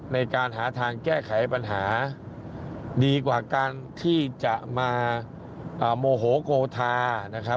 ในการหาทางแก้ไขปัญหาดีกว่าการที่จะมาโมโหโกธานะครับ